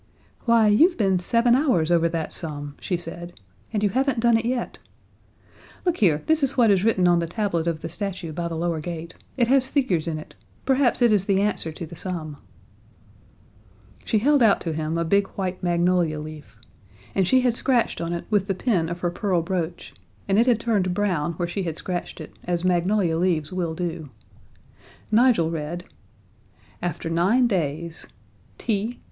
"Why, you've been seven hours over that sum," she said, "and you haven't done it yet. Look here, this is what is written on the tablet of the statue by the lower gate. It has figures in it. Perhaps it is the answer to the sum." She held out to him a big white magnolia leaf. And she had scratched on it with the pin of her pearl brooch, and it had turned brown where she had scratched it, as magnolia leaves will do. Nigel read: AFTER NINE DAYS T ii.